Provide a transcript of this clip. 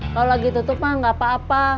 kalau lagi tutup mah gak apa apa